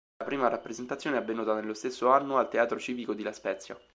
La prima rappresentazione è avvenuta nello stesso anno al Teatro Civico di La Spezia.